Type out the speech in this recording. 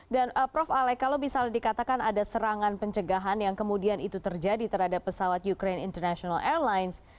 dan prof alex kalau bisa dikatakan ada serangan pencegahan yang kemudian itu terjadi terhadap pesawat ukraine international airlines